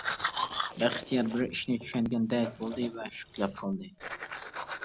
بەختىيار بىر ئىشنى چۈشەنگەندەك بولدى ۋە شۈكلەپ قالدى.